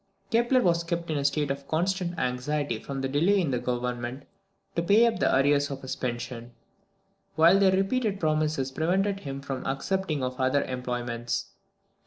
"_ Kepler was kept in a state of constant anxiety from the delay in the Government to pay up the arrears of his pension, while their repeated promises prevented him from accepting of other employments.